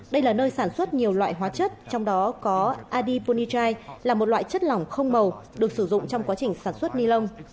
đây là nơi sản xuất nhiều loại hóa chất trong đó có adyponichi là một loại chất lỏng không màu được sử dụng trong quá trình sản xuất ni lông